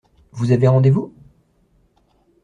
Vous avez rendez-vous ?